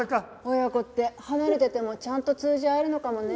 親子って離れててもちゃんと通じ合えるのかもね。